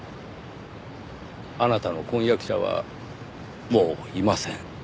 あなたの婚約者はもういません。